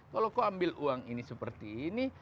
kalau kau ambil uang ini seperti ini